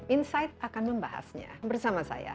insight akan membahasnya bersama saya desy anwar